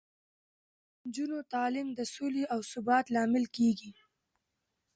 د نجونو تعلیم د سولې او ثبات لامل کیږي.